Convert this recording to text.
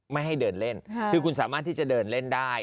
ไม่ให้เดินเล่นคือคุณสามารถที่จะเดินเล่นได้